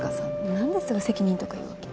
なんですぐ責任とか言うわけ？